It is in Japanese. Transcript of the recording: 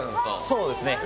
そうですね。